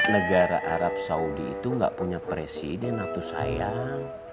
negara arab saudi itu nggak punya presiden atu sayang